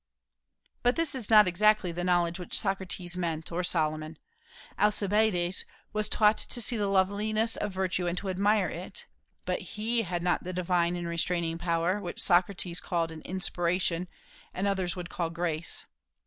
But this is not exactly the knowledge which Socrates meant, or Solomon. Alcibiades was taught to see the loveliness of virtue and to admire it; but he had not the divine and restraining power, which Socrates called an "inspiration," and others would call "grace."